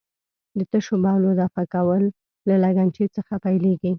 د تشو بولو دفع کول له لګنچې څخه پیلېږي.